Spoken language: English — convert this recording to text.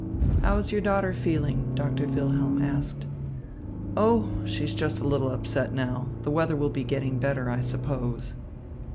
"How is your daughter feeling?" Doctor Wilhelm asked. "Oh, she's just a little upset now. The weather will be getting better, I suppose."